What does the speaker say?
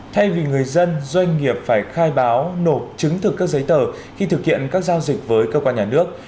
thay vì người dân doanh nghiệp phải khai báo nộp chứng thực các giấy tờ khi thực hiện các giao dịch với cơ quan nhà nước